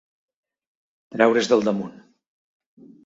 Treure's del damunt.